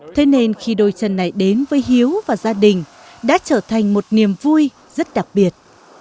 thế nên khi đôi chân này đến với hiếu và gia đình đã trở thành một niềm vui rất đặc biệt